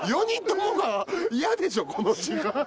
４人ともがイヤでしょこの時間。